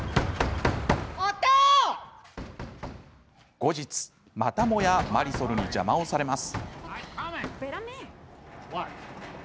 後日、またもやマリソルに邪魔をされます。